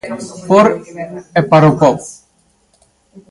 Por e para o pobo.